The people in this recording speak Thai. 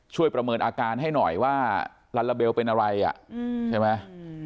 ประเมินอาการให้หน่อยว่าลาลาเบลเป็นอะไรใช่ไหม